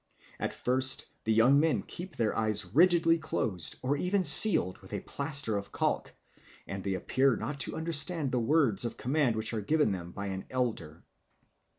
At first the young men keep their eyes rigidly closed or even sealed with a plaster of chalk, and they appear not to understand the words of command which are given them by an elder.